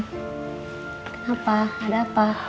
kenapa ada apa